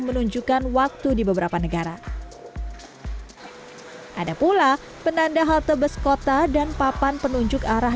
menunjukkan waktu di beberapa negara ada pula penanda halte bus kota dan papan penunjuk arah